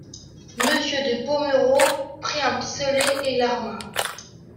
Monsieur de Pomereux prit un pistolet et l'arma.